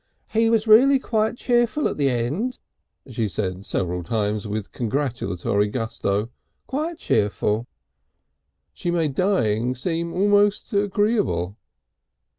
"He was really quite cheerful at the end," she said several times, with congratulatory gusto, "quite cheerful." She made dying seem almost agreeable.